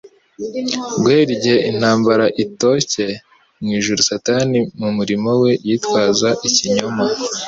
Guhera igihe intambara irotcye mu ijuru, Satani mu murimo we, yitwaza ikinyoma.